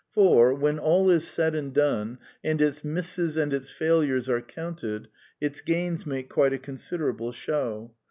For, when all is said and done, and its misses and its failures are counted, its gains make quite a considerable ^^ show."